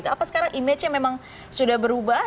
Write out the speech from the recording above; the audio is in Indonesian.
apa sekarang image nya memang sudah berubah